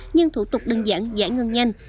nhưng thủ tục đơn giản giải ngân nhanh